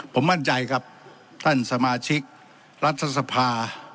ผมมั่นใจครับท่านสมาชิกรัฐสภา